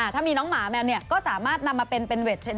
ถ้ามีน้องหมาแมวนี่ก็สามารถนำมาเป็นเวท